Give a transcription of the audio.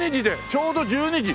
ちょうど１２時。